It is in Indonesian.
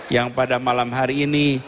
yang pada malam hari ini